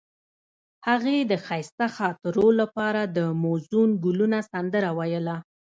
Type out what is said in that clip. هغې د ښایسته خاطرو لپاره د موزون ګلونه سندره ویله.